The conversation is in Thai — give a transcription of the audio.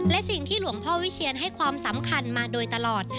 และสิ่งที่หลวงพ่อวิเชียนให้ความสำคัญมาโดยตลอด